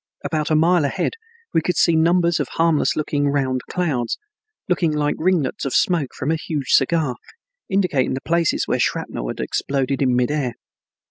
About a mile ahead we could see numbers of harmless looking round clouds, looking like ringlets of smoke from a huge cigar, indicating the places where shrapnel had exploded in mid air.